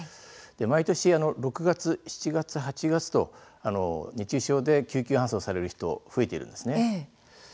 毎年６月、７月、８月と熱中症で救急搬送される人が増えているんです。